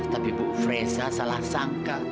tapi bu fresa salah sangka